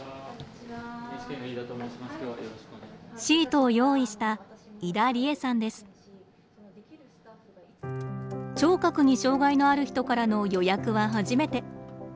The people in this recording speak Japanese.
シートを用意した聴覚に障害のある人からの予約は初めて。